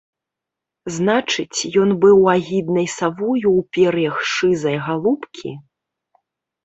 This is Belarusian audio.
Значыць, ён быў агіднай савою ў пер'ях шызай галубкі?